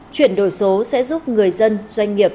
chuyển đổi số sẽ giúp người dân doanh nghiệp